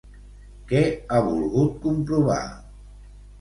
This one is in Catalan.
Què ha volgut comprovar?